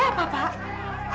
ada apa pak